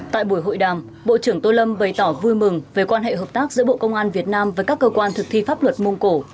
tại buổi hội đàm bộ trưởng tô lâm bày tỏ vui mừng về quan hệ hợp tác giữa bộ công an việt nam với các cơ quan thực thi pháp luật mông cổ